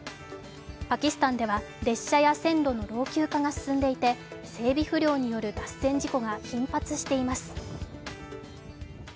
パキスタンでは列車や線路の老朽化が進んでいて整備不良による脱線事故が頻発しています。